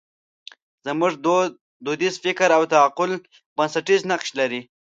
زموږ دودیز فکر او تعقل بنسټیز نقش لري.